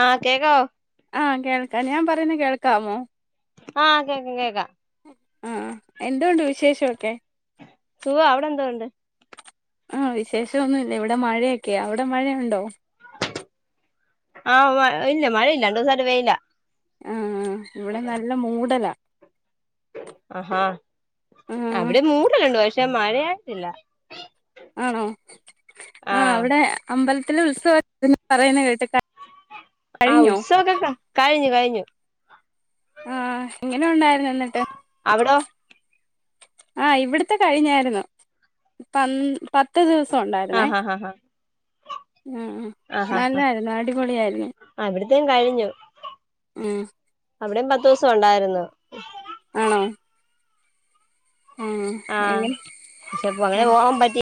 ആഹ് കേക്കോ ആഹ് കേൾക്കാം ഞാൻ പറയുന്നെ കേൾക്കാമോ ആഹ് കേക്കാം കേക്കാം ആഹ് എന്തുണ്ട് വിശേഷൊക്കെ സുഖാ അവിടെ എന്തോണ്ട് ആഹ് വിശേഷൊന്നുല്ല ഇവിടെ മഴയൊക്കെയാ അവിടെ മഴയുണ്ടോ ആഹ് ഇല്ല മഴയില്ല രണ്ടൂസായിട്ട് വെയിലാ ആഹ് ഇവിടെ നല്ല മൂടലാ അഹാ ആഹ് അവിടെ മൂടലുണ്ട് പക്ഷെ മഴയായിട്ടില്ല ആണോ ആഹ് അവിടെ അമ്പലത്തില് ഉത്സവ പറയ്ണെ കേട്ട് ആഹ് കഴിഞ്ഞോ ഉത്സവൊക്കെ കഴിഞ്ഞു. ആഹ് എങ്ങനെ ഉണ്ടായിരുന്നു എന്നിട്ട് അവിടെ ആഹ് ഇവിട്ത്തെ കഴിഞ്ഞാര്ന്നു പ പത്ത് ദിവസം ഒണ്ടായിര്ന്നേ ആഹ് ആഹ് ആഹ് ആഹ് ആഹ് ആഹ് ഇവ്ട്ത്തേം കഴിഞ്ഞു ഉം ആഹ് ഇവ്ടിം പത്തൂസം ഒണ്ടായിരുന്നു ആണോ? ആഹ് ആഹ് എങ്ങനെ പക്ഷെപ്പോ അങ്ങനെ ആഹ് പോവാൻ പറ്റി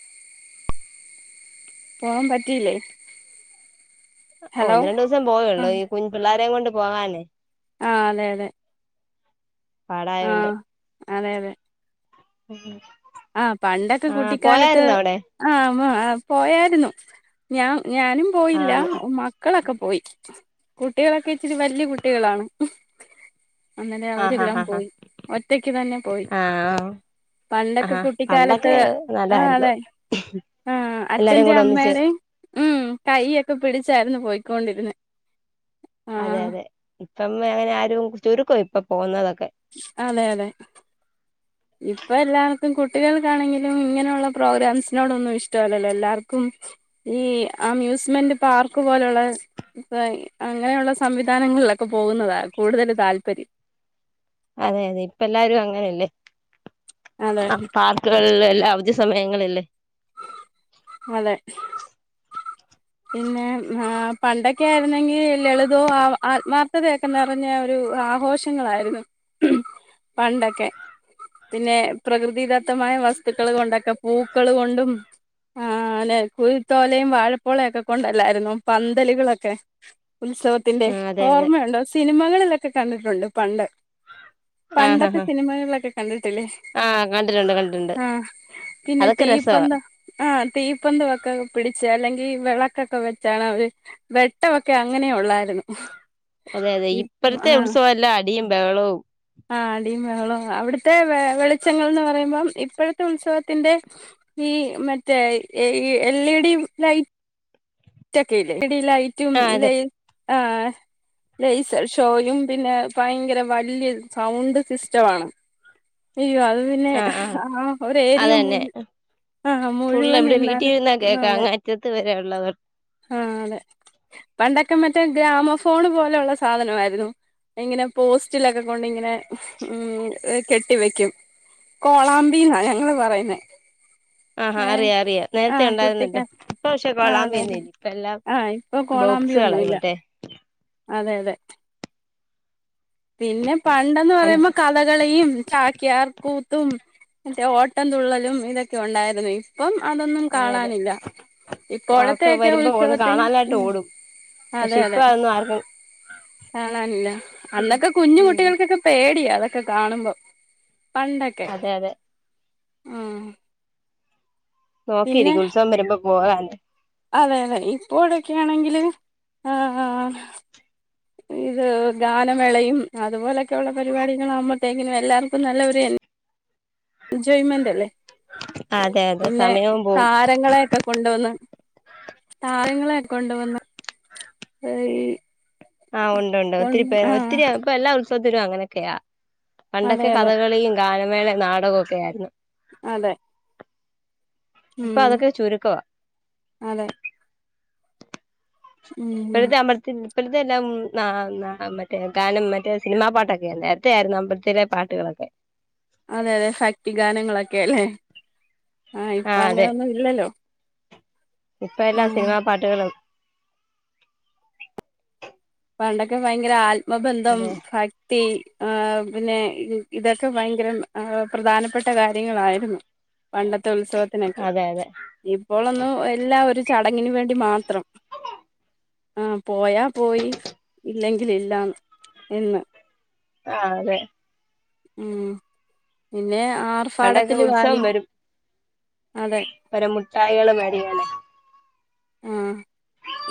പോവാൻ പറ്റിയില്ലേ ഹലോ ഒന്ന് രണ്ടൂസം പോയൊള്ളൂ ആഹ് ഈ കുഞ് പിള്ളോരേം കൊണ്ട് പോകാനേ ആഹ് അതെ അതെ പാടായോണ്ട് ആഹ് അതെ അതെ ഉം ആഹ് പണ്ടൊക്കെ കുട്ടിക്കാലത്ത് ആഹ് പോയായിര്ന്നു ഞാൻ ഞാനും പോയില്ലാ ആഹ് മക്കളൊക്കെ പോയി കുട്യോളൊക്കെ ഇച്ചിരി വല്യാ കുട്യാളാണ് ഇന്നലെ ആഹ് അവരെല്ലാം ആഹ് ആഹ് പോയി ഒറ്റക്ക് തന്നെ പോയി ആഹ് പണ്ട ആഹ് കുട്ടിക്കാലത്ത് പണ്ടൊക്കെ ആഹ് നല്ലായിരുന്നു അതെ ആഹ് എല്ലാരും അച്ഛന്റേം കൂടെ ഒന്നിച്ച് അമ്മേടേം ഉം കയ്യൊക്കെ പിടിച്ചായിര്ന്നു പോയിക്കോണ്ടിരുന്നെ അതെ അതെ ഇപ്പം അങ്ങനെ ആരും ചുരുക്കാ ഇപ്പൊ പോകുന്നതൊക്കെ അതെ അതെ ഇപ്പൊ എല്ലാവർക്കും കുട്ടികൾക്കാണെങ്കിലും ഇങ്ങനൊള്ള പ്രോഗ്രാംസിനോടൊന്നും ഇഷ്ടല്ലല്ലോ എല്ലാർക്കും ഈ അമ്യൂസ്മെന്റ് പാർക്ക് പോലള്ളെ അങ്ങനെള്ള സംവിധാനങ്ങളിലൊക്കെ പോകുന്നതാ കൂട്തല് താല്പര്യം അതെ അതെ ഇപ്പം എല്ലാരും അങ്ങനെല്ലേ അതെ എല്ലാ അവധി സമയങ്ങളില്ലേ അതെ പിന്നെ ആഹ് പണ്ടൊക്കെ ആയിരുന്നെങ്കി ലളിതോം ആത്മാർഥതയൊക്കെ നിറഞ്ഞ ഒരു ആഘോഷ ങ്ങളായിരുന്നു പണ്ടൊക്കെ പിന്നെ പ്രകൃതിദത്തമായ വസ്തുക്കള് കൊണ്ടൊക്കെ പൂക്കള് കൊണ്ടും ആഹ് അലെ കുഴിത്തോലേം വാഴ പോളൊക്കെ കൊണ്ടല്ലായിരുന്നോ പന്തല്കളൊക്കെ ഉത്സവത്തിന്റെ ആ അതെ അതെ ഓർമ്മയുണ്ടോ? സിനിമകളിലൊക്കെ കണ്ടിട്ട്ണ്ട് പണ്ട്. ആഹ് പണ്ടത്തെ ആഹ് സിനിമകളിലൊക്കെ കണ്ടിട്ടില്ലേ ആഹ് കണ്ടിട്ടുണ്ട് കണ്ടിട്ടുണ്ട് ആഹ് പിന്നെ അതൊക്കെ തീ രസവാ പൊന്താ ആഹ് തീപ്പൊന്ത ഒക്കെ പിടിച്ച് അല്ലെങ്കി ഈ വെളക്കൊക്കെ വെച്ചാണ് അവര് വെട്ടൊവൊക്കെ അങ്ങനെ ഒള്ളാര്ന്നു. അതെ അതെ ഇപ്പഴത്തെ ഉത്സവെല്ലാം അടിയും ബെഹളവും ആഹ് അടിയും ബവളോം അവിട്ത്തെ വെ വെളിച്ചങ്ങൾന്ന് പറയുമ്പം ഇപ്പഴത്തെ ഉത്സവത്തിന്റെ ഈ മറ്റേ എൽ ഇ ഡി ലൈറ്റ് റ്റക്കെല്ലേ ഇടയിലായിറ്റും ആഹ് അതെ ഇല്ലെ ആ.. ലെസർ ഷോയും പിന്നെ ഭയങ്കര വലിയ സൗണ്ട് സിസ്റ്റവാണ്. അയ്യോ അത് പിന്നെ ആഹ് ആഹ് ആ ഒരു ഏരിയ അതന്നെ മുഴു ആഹ് മുഴുവൻ നിന്നാണ് ആഹ് അതെ. റ്റത്ത് വരെ ഉള്ളവർ. ആഹ് അതെ പണ്ടൊക്കെ മറ്റേ ഗ്രാമഫോൺ പോലെയുള്ള സാധനയിരുന്നു. ഇങ്ങനെ പോസ്റ്റിലൊക്കെ കൊണ്ടിങ്ങനെ ഉം കെട്ടി വെക്കും. കോളാമ്പീന്നാ ഞങ്ങള് പറയുന്നേ ആഹാ ഏഹ് അറിയാം അറിയാം നേരത്തെ എഹ് ഉണ്ടായിരുന്നല്ലോ കുട്ടിക്കാല ഇപ്പൊ പക്ഷെ ആ കൊള്ളാൻ അതെ അതെ. പോന്നില്ല ഇപ്പ എല്ലാം ആഹ് ഇപ്പൊ ബോക്സുകളായി കോളാമ്പിയൊന്നുല്ല മറ്റേ അതെ അതെ. പിന്നെ പണ്ടന്ന് പറയുമ്പോ അഞ്ച് ക കഥകളിയും ചാക്യാർ കൂത്തും മറ്റേ ഓട്ടം തുള്ളലും ഇതൊക്കെ ഉണ്ടായിരുന്നു ഇ പ്പം അതൊന്നും അതെ അതെ കാണാനില്ല ഇപ്പോഴത്തെ ഒക്കെ വരുമ്പോ ഒന്ന് ഉത്സവത്തിന് കാണാനായിട്ട് ഉം ഓടും അതെ പക്ഷെ അതെ ഇപ്പം അതൊന്നും ആർക്കും കാണാനില്ല അന്നൊക്കെ കുഞ്ഞ് ഉം കുട്ടികൾക്കൊക്കെ പേടിയാ അതൊക്കെ കാണുമ്പം. പണ്ടൊക്കെ അതെ അതെ ഉം പിന്നെ നോക്കിയിരിക്കും ഉത്സവം വരുമ്പോ പോവാനാന്ന് അതെ അതെ ഇപ്പോഴൊക്കെ ആണെങ്കില് ആഹ്. ഇത് ഗാനമേളയും അതുപോലെയൊക്കെ ഉള്ള പരിപാടികള ആകുമ്പോഴത്തേക്കിനും എല്ലാവർക്കും നല്ല ഒരു എ ജോയ്മെന്റല്ലേ അതെ അതെ പിന്നെ സമയവും ത പോവും രങ്ങളെയൊക്കെ കൊണ്ടുവന്ന് താരങ്ങളെയൊക്കെ കൊണ്ടുവന്ന് ഓയി.. ആഹ് ഉണ്ട് ഉണ്ട് ഒത്തിരി പേർ ഒത്തിരിയാ ഇപ്പൊ എല്ലാ ഉത്സവത്തിലും അങ്ങനെയൊക്കെയാ അതെ പണ്ടൊക്കെ അതെ കഥകളിയും ഗാനമേളം നാടകമൊക്കെ ആയിരുന്നു. അതെ. ഉം ഇപ്പൊ അതൊക്കെ ചുരുക്കവാ അതെ ഉം ഇപ്പൊഴുത്തേ അമ്പല ഇപ്പോഴത്തെ എല്ലാം മറ്റേ ഗാനം മറ്റേ സിനിമാ പാട്ടൊക്കെ നേരത്തെ ആയിരുന്നു അമ്പലത്തിലെ പാട്ടുകളൊക്കെ. അതെ അതെ ഭക്തി ഗാനങ്ങളൊക്കെ അല്ലേ ആ ഇപ്പൊ ആഹ് അങ്ങനൊന്നും ഇല്ലല്ലോ? ഇപ്പൊ എല്ലാം ഉം സിനിമാ പാട്ടുകളും പണ്ടൊക്കെ ഭയങ്കര ആത്മബന്ധം അതെ ഭ ക്തീ ആ പിന്നെ ഇതൊക്കെ ഭയങ്കരം പ്രധാനപ്പെട്ട കാര്യങ്ങളായിരുന്നു. പണ്ടത്തെ ഉത്സവത്തിനൊക്കെ അതെ അതെ ഇപ്പോളൊന്നും എല്ലാം ഒരു ചടങ്ങിന് വേണ്ടി മാത്രം. ആഹ് പോയാ പോയി ഇല്ലെങ്കിൽ ഇല്ല എന്ന്. ആഹ് അതെ. ഉം പിന്നെ പണ്ടൊക്കെ ആർഭടത്തിലുവായി ഉത്സവം അതെ ഒരു മുട്ടായികള് മെടിയണ ആഹ്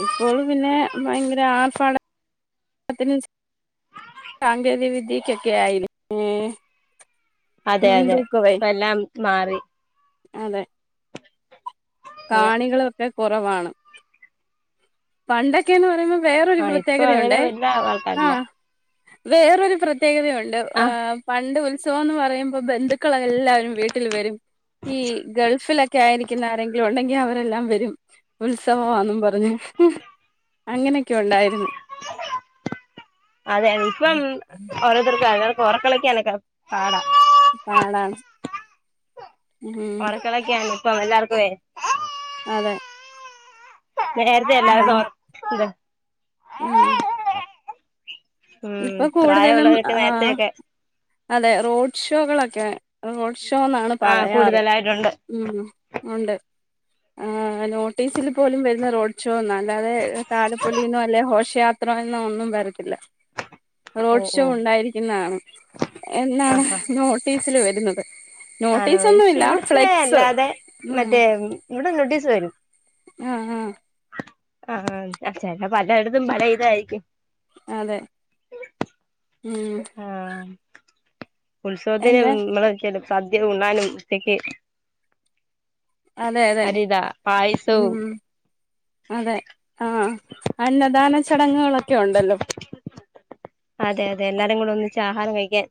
ഇപ്പോൾ പിന്നെ ഭയങ്കര ആർഭാടത്തിന് ചെ സാങ്കേതിക വിദ്യക്കൊക്കെ ആയിലെ ഉം. അതെ അതെ ഇപ്പ എല്ലാം മാറി അതെ അതെ കാണികളൊക്കെ കുറവാണ് പണ്ടൊക്കെന്ന് പറയുമ്പോ വേറൊരു ആഹ് ഇപ്പൊ അങ്ങനെ പ്രത്യേകതയുണ്ടേ വല്ല ആൾക്കാരില്ല ആഹ് വേറൊരു പ്രത്യേകതയുണ്ട് ആഹ് പണ്ട് ഉത്സവന്ന് പറയുമ്പോ മ്പോ ബന്ധുക്കൾ എല്ലാവരും വീട്ടിൽ വരും ഈ ഗൾഫിലൊക്കെ ആയിരിക്കുന്ന ആരെങ്ക ഉണ്ടെങ്കിൽ അവരെല്ലാം വരും ഉത്സവെന്നും പറഞ്ഞ് അങ്ങനെയൊക്കെ ഉണ്ടായിരുന്നു അതെ അതെ ഇപ്പം ഓരോർത്തർക്ക ന ഉറക്കൊളക്കാന് ഒക്കെ പാടാം പാടാണ് ഉം മറക്കളൊക്കെയാണ് ഇപ്പം എല്ലാവർക്കുവെ അതെ നേരത്തെ എല്ലാർക്കും ഇത് ആഹ് ഉം ഇപ്പൊ കൂടുതലും പ്രായമുള്ളവരൊക്കെ ആഹ് നേരത്തെയൊക്കെ അതെ റോഡ് ഷോകളൊക്കെ റോഡ് ക്ഷോന്നാണ് ആഹ് പറയാറ് കൂടുതലായിട്ടുണ്ട് ഉം ഉണ്ട് ആഹ് നോട്ടീസിൽ പോലും വരുന്ന റോഡ് ഷോന്ന അല്ലാതെ താലപ്പൊലീന്നോ അല്ലെ ഹോഷയാ ത്ര എന്നോ ഒന്നും വരത്തില്ല ഉം റോഡ് ഷോ ഉം ഉണ്ടായിരിക്കുന്നതാണ്. എന്നാണ് ആഹ് ആഹ് നോട്ടീസില് വരുന്നത് ആണോ നോട്ടീസ് ഒന്നും പക്ഷെ ഇല്ല ഇവിടുത്തെ ഫ്ലെക്സ് അല്ലാതെ ഉം മറ്റേ ഇവിടെ നോട്ടീസ് വരും ആഹ് ആഹ് ആഹ് ആഹ് ച്ച പലയിടത്തും പല ഇതായിരിക്കും അതെ ഉം ആഹ് ഉത്സവത്തിന് എന്നെ നമ്മെളെക്കെണ്ട് സദ്യ ഉണ്ണാനും ഉച്ചക്ക് അതെ അതെ അരിതാ പായസോം ഉം അതെ ആഹ് അന്നദാന ചടങ്ങുകളൊക്കെ ഒണ്ടല്ലോ അതെ അതെ എല്ലാരും കൂടെ ഒന്നിച്ച് ആഹാരം കഴിക്കാൻ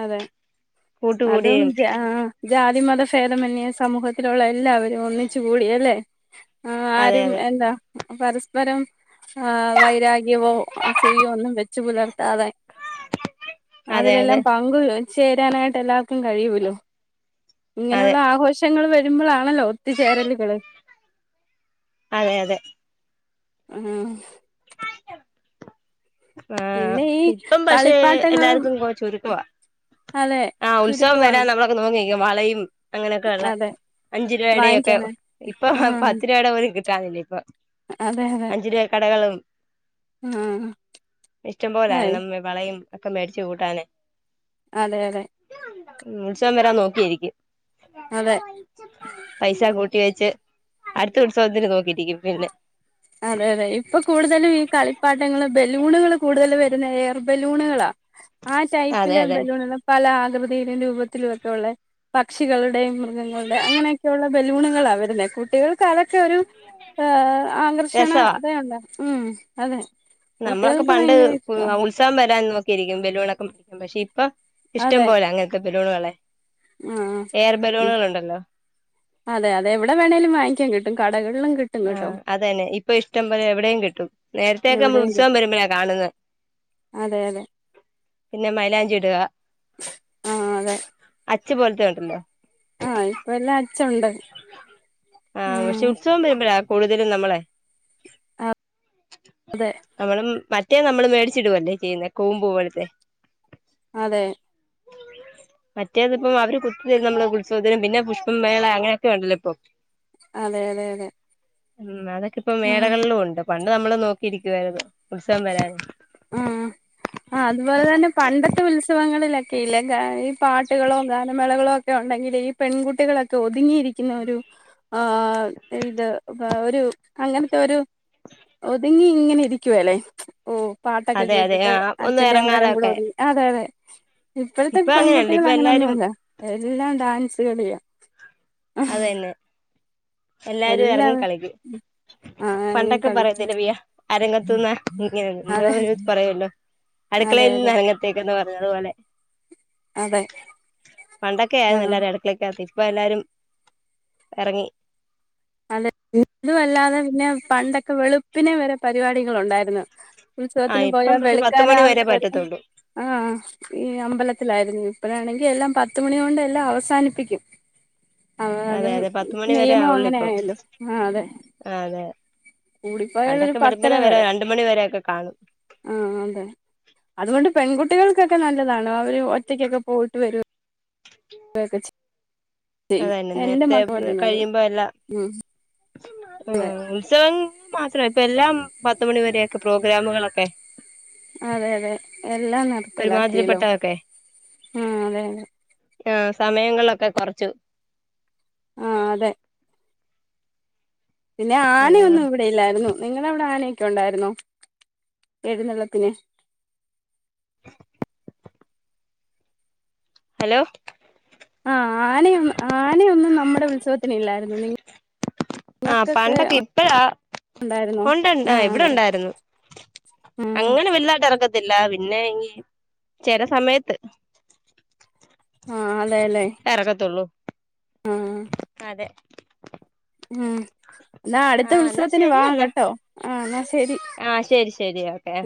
അതെ അതും കൂട്ടുകൂടിയും ജാ ജാതിമത ഭേദമന്നേ സമൂഹത്തിലുള്ള എല്ലാവരും ഒന്നിച്ചു കൂടി അല്ലെ അതെ ആരും അതെ എന്താ പരസ്പരം ആഹ് വൈരാഗ്യവോ അസുയയോ ഒന്നും വെച്ചു പുലർത്താതെ അതെ അതെ അതിലെല്ലാം പങ്ക് ചേരാനായിട്ട് എല്ലാർക്കും കഴിയൂലോ അതെ ഇങ്ങനെയുള്ള ആഘോഷങ്ങൾ വരുമ്പോൾ ആണല്ലോ ഒത്തുചേരലുകൾ അതെ അതെ ആഹ് ആഹ് പിന്നെ ഈ ഇപ്പം പക്ഷെ കളിപ്പാട്ടങ്ങളും എല്ലാർക്കും കോ ചുരുക്കവാ അതെ ആഹ് ഉത്സവം ചുരുക്കമാണ് വരാൻ നമ്മളൊക്കെ നോക്കിക്കും വളയും അങ്ങനെയൊക്കെ ഉള്ള അതെ അഞ്ചു രൂപയുടെ ഒക്കെ വാങ്ങിക്കാനായി ഇപ്പൊ ആ പത്ത് രൂപയുടെ പോലും കിട്ടാനില്ലേ ഇപ്പൊ അതെ അതെ അഞ്ചരൂപ കടകളും ആ ഇഷ്ടം പോലെ നമ്മ വളയും ഒക്കെ മേടച്ച് കൂട്ടാന് അതെ അതെ ഉം ഉത്സവം വരാൻ നോക്കിയിരിക്കും അതെ പൈസ കൂട്ടി വെച്ച് അടുത്ത ഉത്സവത്തിന് നോക്കിരിക്കും പിന്നെ അതെ അതെ ഇപ്പൊ കൂടുതലും ഈ കളിപ്പാട്ടങ്ങള് ബലൂണുകള് കൂടുതല് വരുന്ന എയർ ബലൂണുകളാ ആഹ് അതെ ടൈപ്പിലെ അതെ ബലൂണുകള് പല ആകൃതിയിലും രൂപത്തിലും ഒക്കെ ഒള്ളേ പക്ഷികളുടെയും മൃഗങ്ങളുടെ അങ്ങനെയൊക്കെയുള്ള ബലൂണുകളാ വരുന്നെ കുട്ടികൾക്ക് അതൊക്കെ ഒരു ഏഹ് ആകർഷണ രസവാ ഇത ഇണ്ടാക്കും ഉം അതെ നമ്മളൊക്കെ കുട്ടികൾക്ക് പണ്ട് ഏഹ് ഭയങ്കര ഇഷ്ട ഉത്സ ഉത്സവം വരാൻ നോക്കിയിരിക്കും ബലൂണൊക്കെ മേ പക്ഷെ ഇപ്പൊ ഇഷ്ടം അതെ പോലെ അങ്ങനത്തെ ബലൂണുകളെ ആഹ് എയർ മ് ബലൂണുകളുണ്ടല്ലോ അതെ അതെ എവിടെ വേണേലും വാങ്ങിക്കാകിട്ടും കടകളിലും കിട്ട് ആഹ് അതന്നെ ഇപ്പൊ ഇഷ്ടം പോലെ എവിടെയും കിട്ടും നേരത്തെയെക്കെ മ്മള് എവിടെയും ഉത്സവം കിട്ടും വരുമ്പോഴാ കാണുന്നെ അതെ അതെ പിന്നെ മൈലാഞ്ചിടുക ആഹ് അതെ അച്ച് പോലത്തെ കണ്ടിട്ടുണ്ടോ ആഹ് ഇപ്പല്ലാം അച്ഛുണ്ട് ആഹ് പക്ഷെ ഉത്സവം വരുമ്പോഴ കൂടുതലും നമ്മളെ നമ്മളും മറ്റേ നമ്മള് മേടിച്ചിടുവല്ലേ ചെയ്യുന്ന കൂമ്പൂപോലെത്തെ അതെ മറ്റേത്പ്പം അവര് കുത്തിതരും നമ്മള് ഉത്സവത്തിന് പിന്നെ പുഷ്പം മേള അങ് ങ്ങനെക്കെണ്ടല്ലോ ഇപ്പൊ അതെ അതെ അതെ ഉം അതൊക്കെ ഇപ്പ ഉം മേളകളിലും ഉണ്ട് പണ്ട് നമ്മള് നോക്കിയിരിക്കുവായിരുന്നു ഉത്സവം വരാന് ആഹ് ആഹ് അതുപോലെ തന്നെ പണ്ടത്തെ ഉത്സവങ്ങളിലെക്കെ ഇല്ല ഗായ് പാട്ടുകളോ ഗാനമേളകളോ ഒക്കെ ഉണ്ടെങ്കിൽ ഈ പെൺകുട്ടികളൊക്കെ ഒതുങ്ങിയിരിക്കുന്ന ഒരു ആഹ് ഇത് ആഹ് ഒരു അങ്ങനത്തെ ഒരു ഒതുങ്ങി ഇങ്ങനെ ഇരിക്കുവല്ലേ ഓഹ് പാട്ടൊക്കെ അതെ അതെ കേട്ടിട്ട് ആ ഒന്നും അച്ഛന്റെ അമ്മടയും കൂടെ ഇറങ്ങാതൊക്കെ ഒതുങ്ങി അതെ അതെ ഇപ്പോഴത്തെ ഇപ്പൊ അങ്ങനെയല്ല പെൺകുട്ടികൾ ഇപ്പൊ എല്ലാരും അങ്ങനെന്നുമല്ല എല്ലാം ഡാൻസ് കളിയാ അതന്നെ എല്ലാരും എറങ്ങി എല്ലാവരും കളിക്കും ആഹ് ഇറങ്ങി പണ്ടക്കെ കളിക്കും പറയത്തില്ലേ വ്യ അരങ്ങത്തുന്ന ഇങ്ങനെ എന്തോ അതെ ഒരു പറയല്ലോ അതെ അടുക്കളയിൽന്ന് അതെ അരങ്ങത് തെക്ക്ന്ന് പറഞ്ഞതുപോലെ അതെ പണ്ടക്കെ ആയിരുന്നു ആഹ് എല്ലാരും അടുക്കളക്കാത്തി ഇപ്പോ എല്ലാരും എറങ്ങി അതെ ഇതുമല്ലാതെ പിന്നെ പണ്ടൊക്കെ വെളുപ്പിനെ വരെ പരിപാടികൾ ഉണ്ടായിരുന്നു ആ ഉത്സവത്തിന് പോയാ ഇപ്പം പക്ഷെ പത്ത് മണി വരെ വെളുക്കാനാവുമ്പോ വരും പറ്റത്തുള്ളൂ ആഹ് ഈ അമ്പലത്തിലായിരുന്നു ഇപ്പഴാണെങ്കിൽ എല്ലാം പത്തുമണി കൊണ്ട് എല്ലാം അവസാനിപ്പിക്കും [inaudible] അതെ അത് അതെ പത്തുമണി വരെ നിയമം അങ്ങനെ ആവുള്ളൂപ്പോ ആയല്ലോ ആഹ് അതെ ആഹ് അതെ കൂടിപ്പോയാൽ ഒരു പണ്ടൊക്കെ പത്തര വെളുപ്പിന് വരെ രണ്ട് മണി വരെയൊക്കെ കാണും ആഹ് അതെ അതുകൊണ്ട് പെൺകുട്ടികൾക്കൊക്കെ നല്ലതാണ് അവര് ഒറ്റക്കൊക്കെ പോയിട്ട് വരും [inaudible] അതന്നെ ചെയ്യും എന്റെ നേരത്തെ മക്ക പഠിക്കുന്നത് കഴിയുമ്പോ എല്ല ഉം ആഹ് ഉത്സവങ്ങൾ മാത്രല്ല ഇപ്പ എല്ലാം പത്തുമണി വരെയൊക്കെ പ്രോഗ്രാമുകളൊക്കെ അതെ അതെ എല്ലാം നിർത്തലാക്കില്ലോ ഒരുമാതിരിപ്പെട്ടതൊക്കെ ആഹ് അതെ അതെ ആഹ് സമയങ്ങളൊക്കെ കുറച്ചു ആഹ് അതെ പിന്നെ അതാ ആനയൊന്നും ഇവിടെയില്ലായിരുന്നു നിങ്ങള അവിടെ ആനൊക്കെ ഉണ്ടായിരുന്നോ എഴുന്നള്ളത്തിന് [inaudible] ഹലോ ആഹ് ആനയൊന്ന് ആനയൊന്നും നമ്മുടെ ഉത്സവത്തിന് ഇല്ലായിരുന്നു നി ആഹ് പണ്ടൊക്കെ ഇപ്പഴ ഉണ്ടായിരുന്നോ ഉണ്ട്ണ്ട് ആ ഇവിടെ അതെ ഉണ്ടായിരുന്നു ഉം അങ്ങനെ വലിതായിട്ട് ഇറക്കത്തില്ല പിന്നെ ഈ ചെല സമയത്ത് ആഹ് അതെലെ എറക്കത്തുള്ളൂ ആഹ് അതെ ഉം ന്നാ അടുത്ത ആഹ് എന്നാ ഉത്സവത്തിന് ശരി വാ എന്നാ കേട്ടോ ആ ന്നാ ശേരി ആഹ് ശേരി ശേരി ഓക്കെ